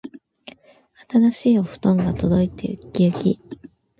新しいお布団が届いてうっきうき